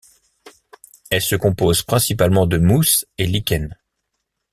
Elle se compose principalement de mousse et lichen.